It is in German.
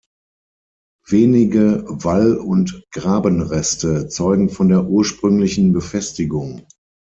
Wenige Wall- und Grabenreste zeugen von der ursprünglichen Befestigung.